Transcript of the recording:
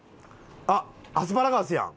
あっアスパラガスやん。